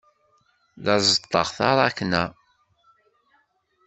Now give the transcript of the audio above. La ẓeṭṭeɣ taṛakna.